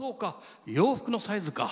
洋服のサイズか。